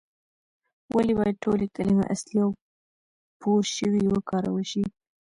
ولې باید ټولې کلمې اصلي او پورشوي وکارول شي؟